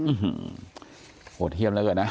อื้อหือโหดเทียมแล้วก็นะ